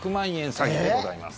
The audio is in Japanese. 詐欺でございます。